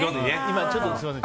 ちょっとすみません。